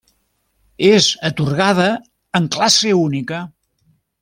És atorgada en classe única.